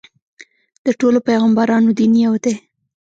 د ټولو پیغمبرانو دین یو دی.